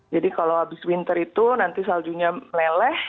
jadi kalau abis winter itu nanti saljunya meleleh